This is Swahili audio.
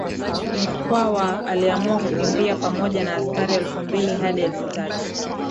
Mkwawa aliamua kukimbia pamoja na askari elfu mbili hadi elfu tatu